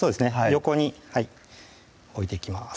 横に置いていきます